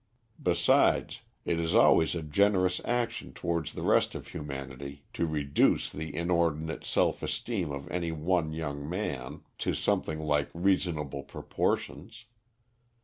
Besides, it is always a generous action towards the rest of humanity to reduce the inordinate self esteem of any one young man to something like reasonable proportions.